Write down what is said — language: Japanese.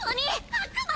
悪魔！